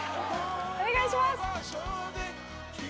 ・お願いします